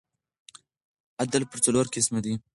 عدل پر څلور قسمه دئ.